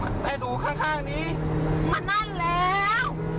มันไปดูข้างนี้มันนั่นแล้ว